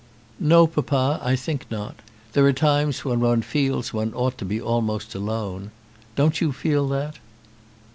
"No, papa, I think not. There are times when one feels that one ought to be almost alone. Don't you feel that?"